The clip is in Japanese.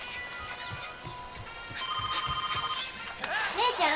姉ちゃん？